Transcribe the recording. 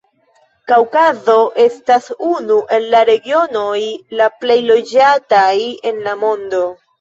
Kaŭkazo estas unu el la regionoj la plej loĝataj en la mondo.